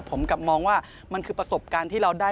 ผมกลับมองว่ามันคือประสบการณ์ที่เราได้